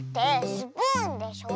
スプーンでしょ。